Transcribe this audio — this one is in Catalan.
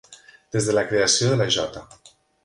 Des de la creació de la J.